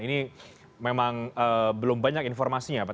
ini memang belum banyak informasinya pak